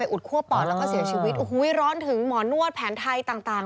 อุดคั่วปอดแล้วก็เสียชีวิตโอ้โหร้อนถึงหมอนวดแผนไทยต่าง